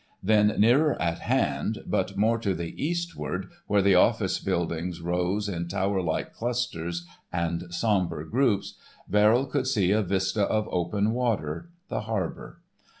Then nearer at hand, but more to the eastward, where the office buildings rose in tower like clusters and somber groups, Verrill could see a vista of open water—the harbour.